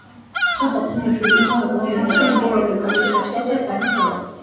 Սա խախտում է ֆիբրինի ծակոտկենությունը, որը լոկալիզացված է պահում վարակը։